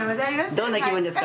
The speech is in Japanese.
どんな気分ですか？